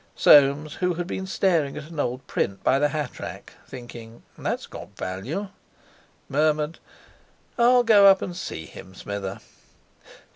Soames, who had been staring at an old print by the hat rack, thinking, 'That's got value!' murmured: "I'll go up and see him, Smither."